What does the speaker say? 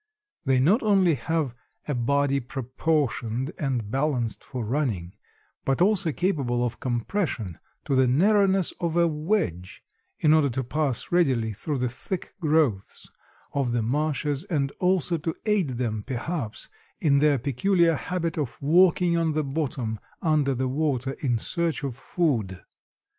They not only have "a body proportioned and balanced for running, but also capable of compression to the narrowness of a wedge, in order to pass readily through the thick growths of the marshes, and also to aid them, perhaps, in their peculiar habit of walking on the bottom under the water in search of food."